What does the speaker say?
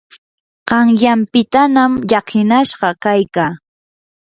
qanyanpitanam llakinashqa kaykaa.